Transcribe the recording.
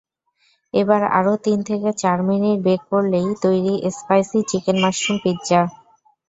এবার আরও তিন থেকে চার মিনিট বেক করলেই তৈরি স্পাইসি চিকেন-মাশরুম পিৎজা।